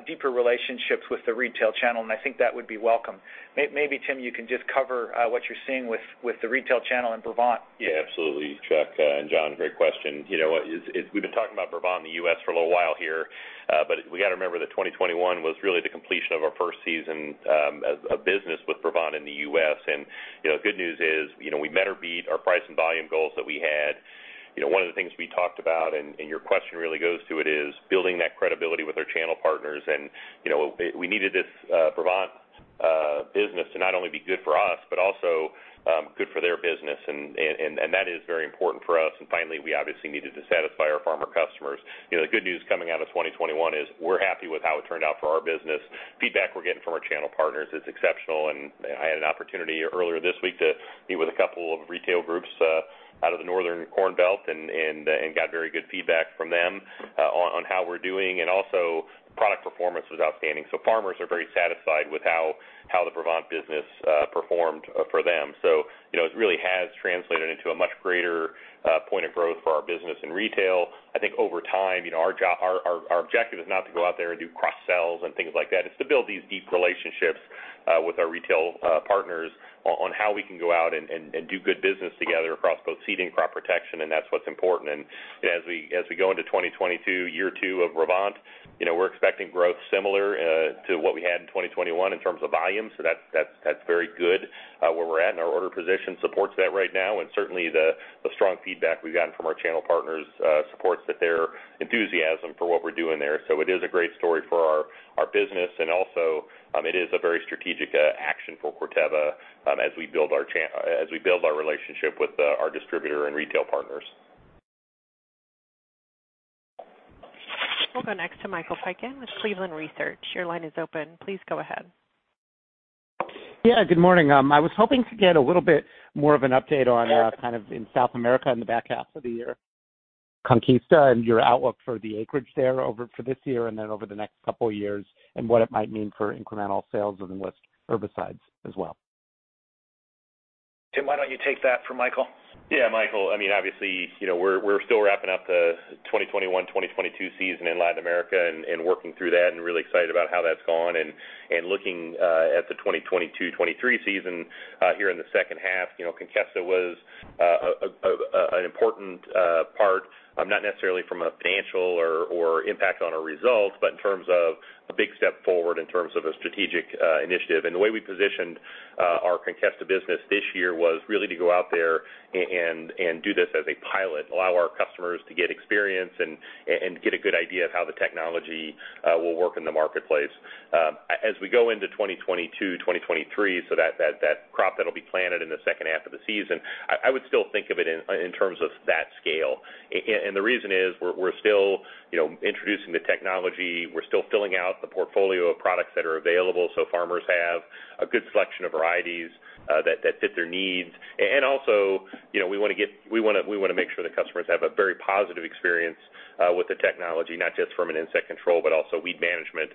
deeper relationships with the retail channel, and I think that would be welcome. Maybe, Tim, you can just cover what you're seeing with the retail channel in Brevant. Yeah, absolutely, Chuck, and John, great question. You know what? We've been talking about Brevant in the U.S. for a little while here, but we got to remember that 2021 was really the completion of our first season as a business with Brevant in the U.S. You know, the good news is, you know, we met or beat our price and volume goals that we had. You know, one of the things we talked about, and your question really goes to it, is building that credibility with our channel partners. You know, we needed this Brevant Business to not only be good for us, but also good for their business. That is very important for us. Finally, we obviously needed to satisfy our farmer customers. You know, the good news coming out of 2021 is we're happy with how it turned out for our business. Feedback we're getting from our channel partners is exceptional. I had an opportunity earlier this week to meet with a couple of retail groups out of the Northern Corn Belt and got very good feedback from them on how we're doing. Product performance was outstanding. Farmers are very satisfied with how the Brevant business performed for them. You know, it really has translated into a much greater point of growth for our business in retail. I think over time, you know, our objective is not to go out there and do cross sells and things like that. It's to build these deep relationships with our retail partners on how we can go out and do good business together across both seed and Crop Protection, and that's what's important. As we go into 2022, year two of Brevant, you know, we're expecting growth similar to what we had in 2021 in terms of volume. So that's very good where we're at, and our order position supports that right now. Certainly the strong feedback we've gotten from our channel partners supports that their enthusiasm for what we're doing there. It is a great story for our business, and also, it is a very strategic action for Corteva, as we build our relationship with our distributor and retail partners. We'll go next to Michael Piken with Cleveland Research. Your line is open. Please go ahead. Yeah, good morning. I was hoping to get a little bit more of an update on kind of in South America in the back half of the year, Conkesta and your outlook for the acreage there for this year and then over the next couple of years, and what it might mean for incremental sales of Enlist herbicides as well. Tim, why don't you take that for Michael? Yeah, Michael. I mean, obviously, you know, we're still wrapping up the 2021, 2022 season in Latin America and working through that and really excited about how that's gone. Looking at the 2022, 2023 season here in the second half, you know, Conkesta was an important part, not necessarily from a financial or impact on our results, but in terms of a big step forward in terms of a strategic initiative. The way we positioned our Conkesta business this year was really to go out there and do this as a pilot, allow our customers to get experience and get a good idea of how the technology will work in the marketplace. As we go into 2022, 2023, that crop that'll be planted in the second half of the season, I would still think of it in terms of that scale. The reason is we're still, you know, introducing the technology. We're still filling out the portfolio of products that are available so farmers have a good selection of varieties that fit their needs. Also, you know, we wanna make sure the customers have a very positive experience with the technology, not just from an insect control, but also weed management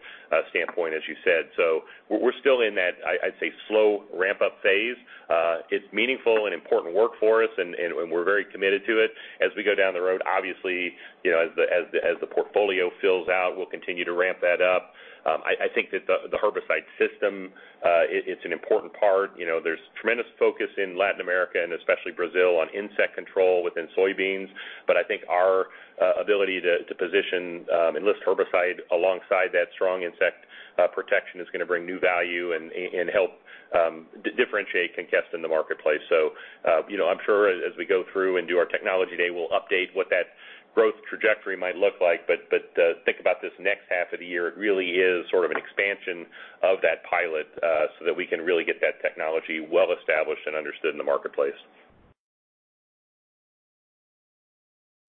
standpoint, as you said. We're still in that, I'd say slow ramp up phase. It's meaningful and important work for us and we're very committed to it. As we go down the road, obviously, you know, as the portfolio fills out, we'll continue to ramp that up. I think that the herbicide system, it's an important part. You know, there's tremendous focus in Latin America and especially Brazil on insect control within soybeans. I think our ability to position Enlist herbicide alongside that strong insect protection is gonna bring new value and help differentiate Conkesta in the marketplace. You know, I'm sure as we go through and do our technology day, we'll update what that growth trajectory might look like. Think about this next half of the year, it really is sort of an expansion of that pilot, so that we can really get that technology well established and understood in the marketplace.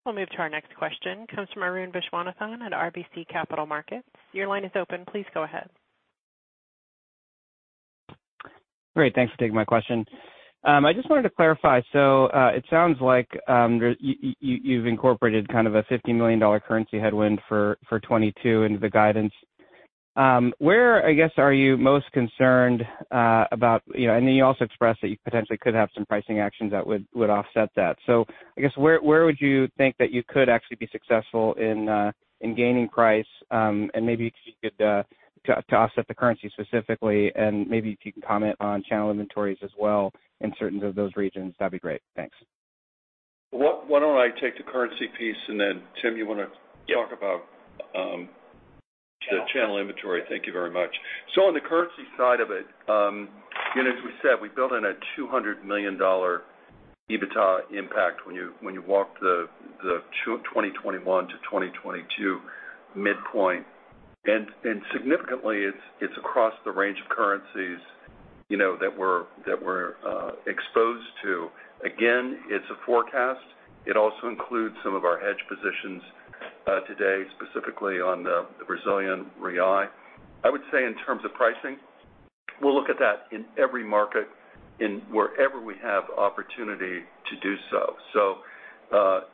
We'll move to our next question. It comes from Arun Viswanathan at RBC Capital Markets. Your line is open. Please go ahead. Great. Thanks for taking my question. I just wanted to clarify. It sounds like you've incorporated kind of a $50 million currency headwind for 2022 into the guidance. Where, I guess, are you most concerned about, you know, and then you also expressed that you potentially could have some pricing actions that would offset that. I guess where would you think that you could actually be successful in gaining price? Maybe if you could to offset the currency specifically, and maybe if you can comment on channel inventories as well in certain of those regions, that'd be great. Thanks. Why don't I take the currency piece and then Tim, you wanna- Yeah. Talk about the channel inventory? Thank you very much. On the currency side of it, you know, as we said, we built in a $200 million EBITDA impact when you walk the 2021 to 2022 midpoint. Significantly it's across the range of currencies, you know, that we're exposed to. Again, it's a forecast. It also includes some of our hedge positions today, specifically on the Brazilian real. I would say in terms of pricing, we'll look at that in every market wherever we have opportunity to do so.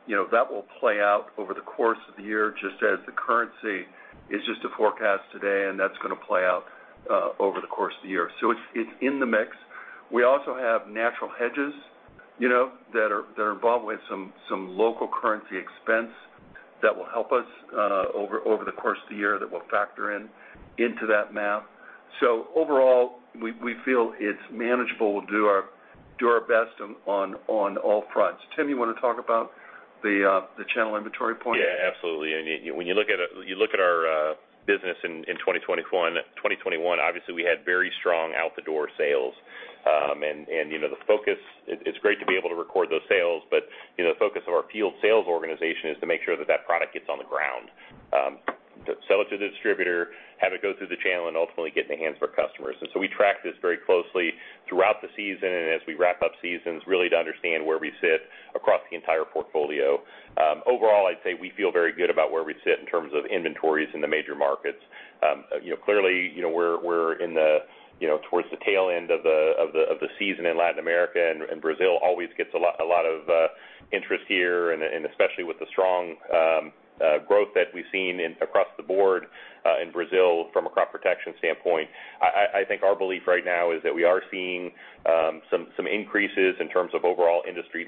You know, that will play out over the course of the year, just as the currency is just a forecast today, and that's gonna play out over the course of the year. It's in the mix. We also have natural hedges, you know, that are involved with some local currency expense that will help us over the course of the year that will factor in into that math. Overall, we feel it's manageable. We'll do our best on all fronts. Tim, you wanna talk about the channel inventory point? Yeah, absolutely. When you look at our business in 2021, obviously we had very strong out the door sales. You know, the focus, it's great to be able to record those sales, but you know, the focus of our field sales organization is to make sure that product gets on the ground, to sell it to the distributor, have it go through the channel, and ultimately get in the hands of our customers. We track this very closely throughout the season and as we wrap up seasons, really to understand where we sit across the entire portfolio. Overall, I'd say we feel very good about where we sit in terms of inventories in the major markets. You know, clearly, you know, we're towards the tail end of the season in Latin America, and Brazil always gets a lot of interest here and especially with the strong growth that we've seen across the board in Brazil from a Crop Protection standpoint. I think our belief right now is that we are seeing some increases in terms of overall industry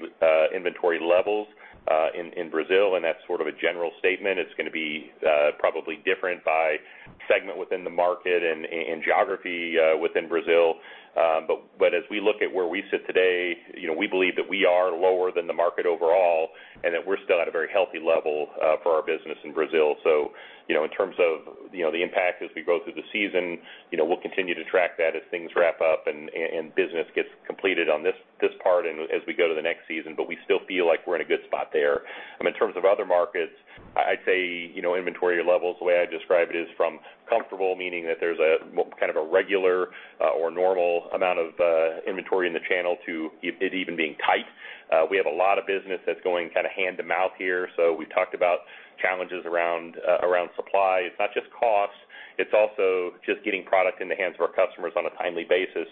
inventory levels in Brazil, and that's sort of a general statement. It's gonna be probably different by segment within the market and geography within Brazil. As we look at where we sit today, you know, we believe that we are lower than the market overall and that we're still at a very healthy level for our business in Brazil. You know, in terms of the impact as we go through the season, you know, we'll continue to track that as things wrap up and business gets completed on this part and as we go to the next season. We still feel like we're in a good spot there. In terms of other markets, I'd say, you know, inventory levels, the way I describe it, is from comfortable, meaning that there's a kind of a regular or normal amount of inventory in the channel to it even being tight. We have a lot of business that's going kind of hand-to-mouth here. We've talked about challenges around supply. It's not just cost, it's also just getting product in the hands of our customers on a timely basis.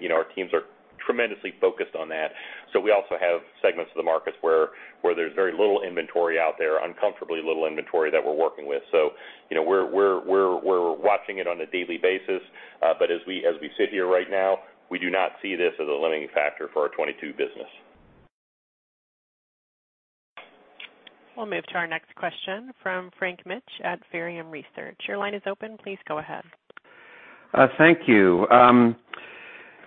You know, our teams are tremendously focused on that. We also have segments of the markets where there's very little inventory out there, uncomfortably little inventory that we're working with. You know, we're watching it on a daily basis. As we sit here right now, we do not see this as a limiting factor for our 2022 business. We'll move to our next question from Frank Mitsch at Fermium Research. Your line is open. Please go ahead. Thank you.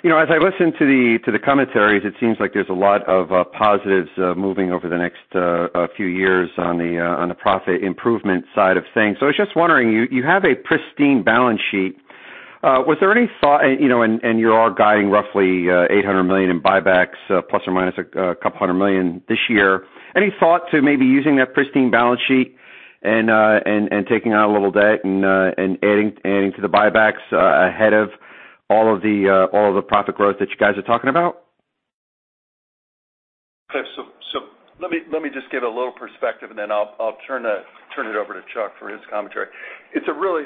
You know, as I listen to the commentaries, it seems like there's a lot of positives moving over the next few years on the profit improvement side of things. I was just wondering, you have a pristine balance sheet. Was there any thought, you know, and you are guiding roughly $800 million in buybacks plus or minus a couple hundred million this year. Any thought to maybe using that pristine balance sheet and taking on a little debt and adding to the buybacks ahead of all of the profit growth that you guys are talking about? Let me just give a little perspective, and then I'll turn it over to Chuck for his commentary. It's a really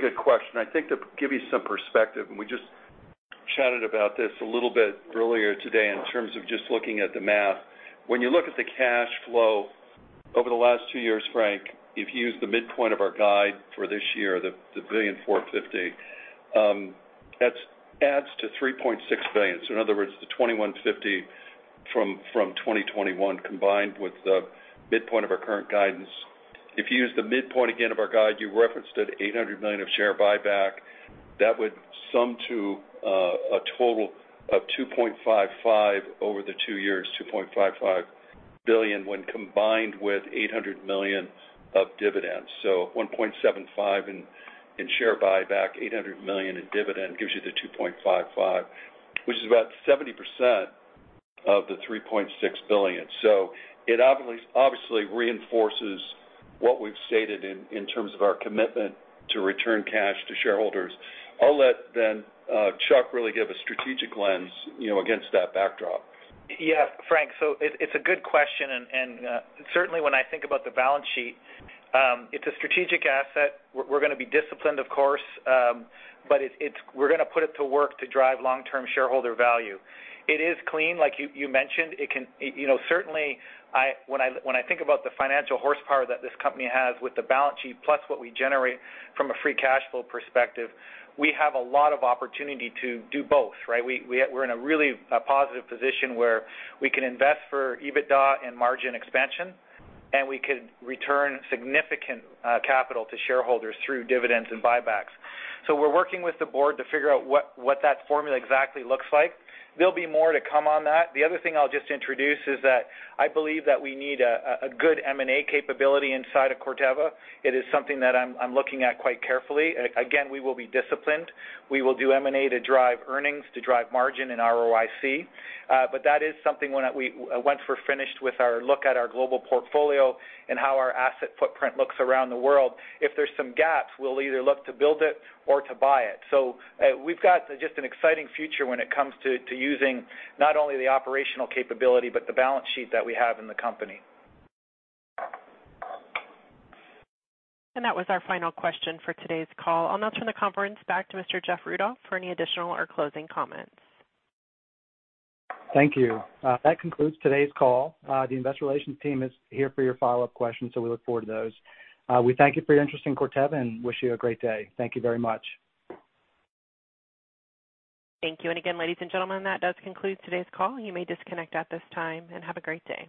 good question. I think to give you some perspective, and we just chatted about this a little bit earlier today in terms of just looking at the math. When you look at the cash flow over the last two years, Frank, if you use the midpoint of our guide for this year, the $1.45 billion, that adds to $3.6 billion. In other words, the $2.15 billion from 2021 combined with the midpoint of our current guidance. If you use the midpoint again of our guide, you referenced $800 million of share buyback. That would sum to a total of $2.55 billion over the two years, $2.55 billion when combined with $800 million of dividends. $1.75 billion in share buyback, $800 million in dividend gives you the $2.55 billion, which is about 70% of the $3.6 billion. It obviously reinforces what we've stated in terms of our commitment to return cash to shareholders. I'll let Chuck really give a strategic lens, you know, against that backdrop. Frank, it's a good question, and certainly when I think about the balance sheet, it's a strategic asset. We're gonna be disciplined, of course, but it's, we're gonna put it to work to drive long-term shareholder value. It is clean like you mentioned. You know, certainly when I think about the financial horsepower that this company has with the balance sheet plus what we generate from a free cash flow perspective, we have a lot of opportunity to do both, right? We're in a really positive position where we can invest for EBITDA and margin expansion, and we could return significant capital to shareholders through dividends and buybacks. We're working with the board to figure out what that formula exactly looks like. There'll be more to come on that. The other thing I'll just introduce is that I believe that we need a good M&A capability inside of Corteva. It is something that I'm looking at quite carefully. Again, we will be disciplined. We will do M&A to drive earnings, to drive margin and ROIC. That is something once we're finished with our look at our global portfolio and how our asset footprint looks around the world, if there's some gaps, we'll either look to build it or to buy it. We've got just an exciting future when it comes to using not only the operational capability but the balance sheet that we have in the company. That was our final question for today's call. I'll now turn the conference back to Mr. Jeff Rudolph for any additional or closing comments. Thank you. That concludes today's call. The investor relations team is here for your follow-up questions, so we look forward to those. We thank you for your interest in Corteva and wish you a great day. Thank you very much. Thank you. Again, ladies and gentlemen, that does conclude today's call. You may disconnect at this time, and have a great day.